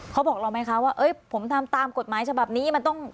เขาบอกเราไหมคะว่าผมทำตามกฎหมายฉบับนี้มันต้อง